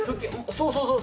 そうそうそう！